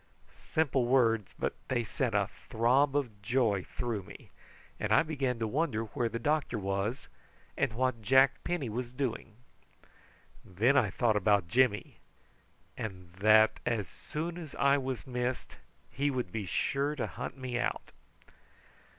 Simple words, but they sent a throb of joy through me, and I began to wonder where the doctor was, and what Jack Penny was doing. Then I thought about Jimmy, and that as soon as I was missed he would be sure to hunt me out.